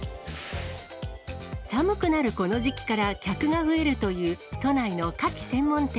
寒くなるこの時期から客が増えるという、都内のカキ専門店。